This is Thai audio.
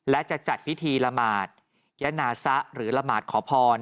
และจะจัดพิธีละหมาดยะนาซะหรือละหมาดขอพร